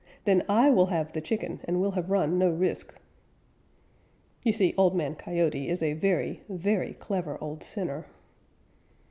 Then I will have the chicken and will have run no risk." You see Old Man Coyote is a very, very clever old sinner.